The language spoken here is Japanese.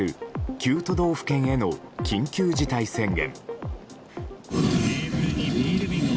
９都道府県への緊急事態宣言。